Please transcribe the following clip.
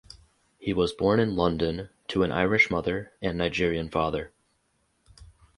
He was born in London to an Irish mother and Nigerian father.